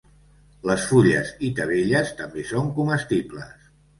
Les fulles i tavelles també són comestibles.